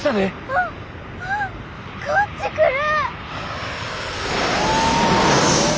わあこっち来る！